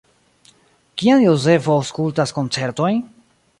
Kiam Jozefo aŭskultas koncertojn?